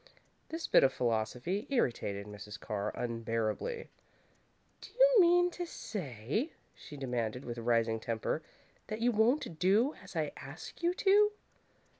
This bit of philosophy irritated Mrs. Carr unbearably. "Do you mean to say," she demanded, with rising temper, "that you won't do as I ask you to?"